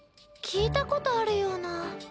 聞いたことあるような。